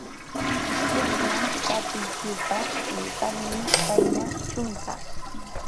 Isqunman qatiq yupa, qillqanmi kayna: chunka